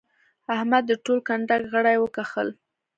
احمد د ټول کنډک غړي وکښل.